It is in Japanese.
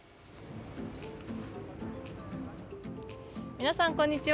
皆さん、こんにちは。